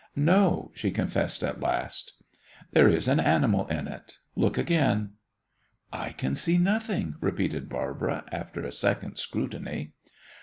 "No," she confessed at last. "There is an animal in it. Look again." "I can see nothing," repeated Barbara, after a second scrutiny.